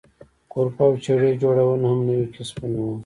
کولپ او چړه جوړونه هم نوي کسبونه وو.